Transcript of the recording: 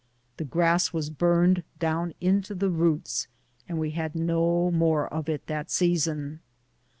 The grass was burned down into the roots, and we had no more of it that season.